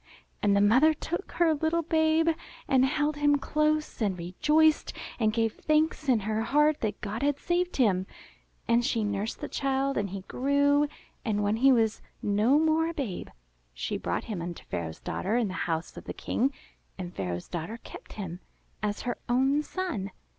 And the mother took her little babe, and held him close, and rejoiced, and gave thanks in her heart that God had saved him. And she nursed the child and he grew, and when he was no more a babe, she brought him unto Pharaoh's daughter in the house of the King, and Pharaoh's daughter kept him as her own son.